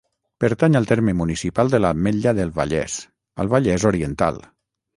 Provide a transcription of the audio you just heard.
Pertany al terme municipal de l'Ametlla del Vallès, al Vallès Oriental.